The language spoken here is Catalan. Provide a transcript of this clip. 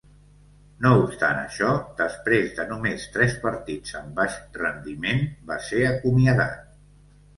No obstant això, després de només tres partits amb baix rendiment, va ser acomiadat.